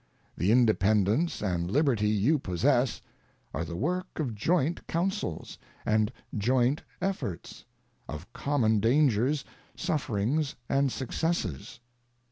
ŌĆö The Independence and Liberty you possess are the work of joint councils, and joint efforts ŌĆö of common dangers, sufferings and successes.